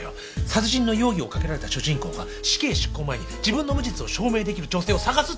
殺人の容疑をかけられた主人公が死刑執行前に自分の無実を証明できる女性を探すってストーリーなんだ。